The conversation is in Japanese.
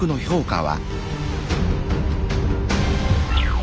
は。